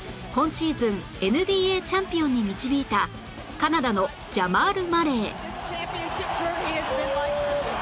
ＮＢＡ チャンピオンに導いたカナダのジャマール・マレー